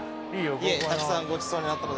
たくさんごちそうになったので。